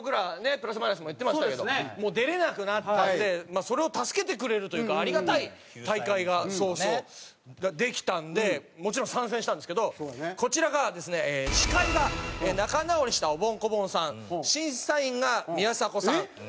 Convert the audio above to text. プラス・マイナスも言ってましたけどもう出れなくなったんでそれを助けてくれるというかありがたい大会ができたんでもちろん参戦したんですけどこちらがですね司会が仲直りしたおぼん・こぼんさん審査員が宮迫さん